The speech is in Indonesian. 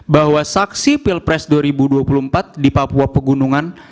bahwa saksi pilpres dua ribu dua puluh empat di papua pegunungan